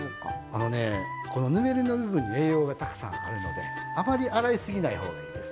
あのねこのぬめりの部分に栄養がたくさんあるのであまり洗いすぎないほうがいいですね。